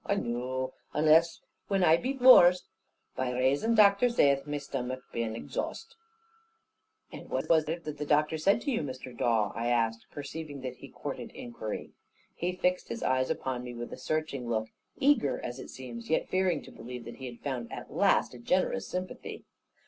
a noo! Unless when I be vorced, By rason, Dactor zaith, my stommirk ba'in exhaust." "And what was it the doctor said to you, Mr. Dawe?" I asked, perceiving that he courted inquiry. He fixed his eyes upon me, with a searching look; eager, as it seemed, yet fearing to believe that he had found at last a generous sympathy.